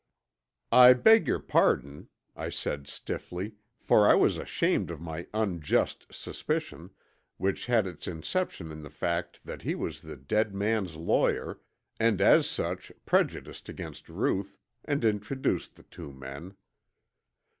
"I beg your pardon," I said stiffly, for I was ashamed of my unjust suspicion, which had its inception in the fact that he was the dead man's lawyer, and as such prejudiced against Ruth, and introduced the two men.